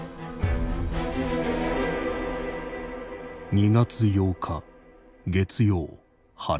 「２月８日月曜晴れ。